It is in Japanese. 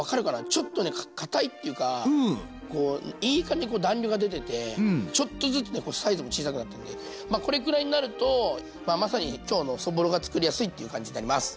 ちょっとねかたいっていうかいい感じに弾力が出ててちょっとずつこうサイズも小さくなってるんでこれくらいになるとまあまさに今日のそぼろが作りやすいっていう感じになります。